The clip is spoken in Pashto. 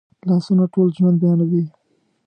لاسونه ټول ژوند بیانوي